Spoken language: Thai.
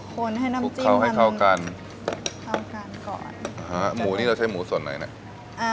คนให้น้ำจิ้มทุกข้าวให้เข้ากันเข้ากันก่อนอ่าหมูนี่เราใช้หมูส่วนหน่อยนะอ่า